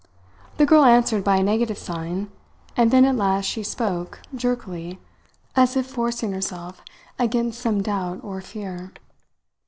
The girl answered by a negative sign; and then at last she spoke, jerkily, as if forcing herself against some doubt or fear.